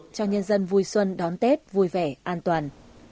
cho nhân dân vui xuân đón tết vui vẻ an toàn